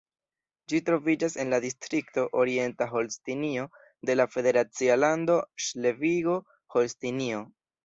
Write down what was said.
Ĝi troviĝas en la distrikto Orienta Holstinio de la federacia lando Ŝlesvigo-Holstinio.